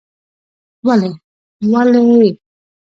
ولې؟ ولې؟؟؟ ….